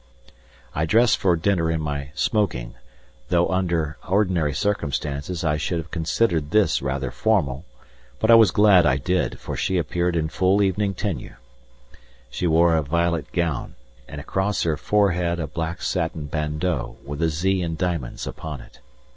I dressed for dinner in my "smoking," though under ordinary circumstances I should have considered this rather formal, but I was glad I did, for she appeared in full evening tenue. She wore a violet gown, and across her forehead a black satin bandeau with a Z in diamonds upon it.